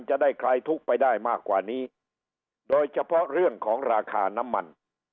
จะได้คลายทุกข์ไปได้มากกว่านี้โดยเฉพาะเรื่องของราคาน้ำมัน